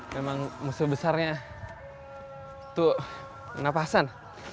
memang musuh besarnya itu napasan